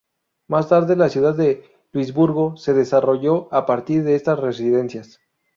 Más tarde, la ciudad de Luisburgo se desarrolló a partir de estas residencias.